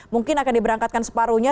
mungkin akan diberangkatkan separuhnya